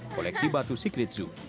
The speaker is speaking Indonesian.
koleksi batu secret zoo